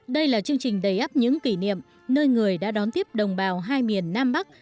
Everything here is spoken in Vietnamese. đây là chương trình đầy ấp những kỷ niệm nơi người đã đón tiếp đồng bào hai miền nam bắc